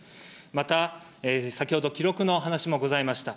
また先ほど、記録の話もございました。